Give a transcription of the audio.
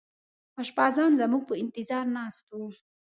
اشپزان زموږ په انتظار ناست وو.